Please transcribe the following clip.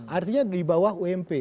artinya di bawah ump